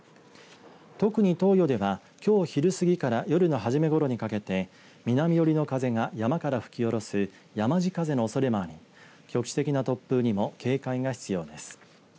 特に東予ではきょう昼過ぎから夜のはじめごろにかけて南寄りの風が山から吹き下ろすやまじ風のおそれもあり局地的な突風にも警戒が必要です。